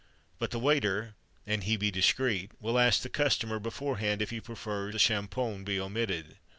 But the waiter, an he be discreet, will ask the customer beforehand if he prefer that the chapon be omitted.